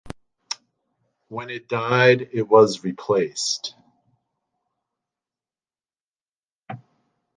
When it died, it was replaced.